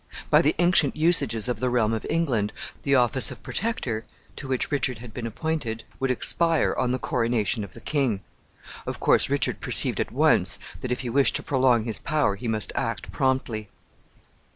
By the ancient usages of the realm of England, the office of Protector, to which Richard had been appointed, would expire on the coronation of the king. Of course, Richard perceived at once that if he wished to prolong his power he must act promptly.